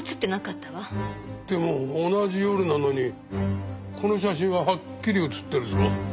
でも同じ夜なのにこの写真ははっきり映ってるぞ。